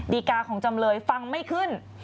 ดีกาของจำเลยฟังไม่ขึ้น